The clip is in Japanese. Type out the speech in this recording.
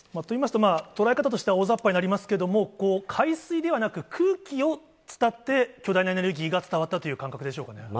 といいますと、捉え方としては大ざっぱになりますけれども、海水ではなく、空気を伝って、巨大なエネルギーが伝わったという感覚でしょうかね。